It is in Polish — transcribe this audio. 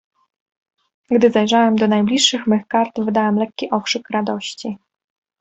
"Gdy zajrzałem do najbliższych mych kart, wydałem lekki okrzyk radości."